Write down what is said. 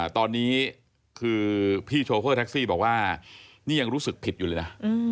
ตอนนี้คือพี่โชเฟอร์แท็กซี่บอกว่านี่ยังรู้สึกผิดอยู่เลยนะ